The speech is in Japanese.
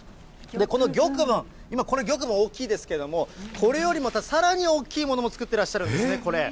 この玉文、今、この玉文大きいですけれども、これよりもまたさらに大きいものも作ってらっしゃるんですね、これ。